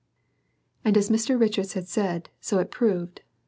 And as Mr Richards had said, so it proved.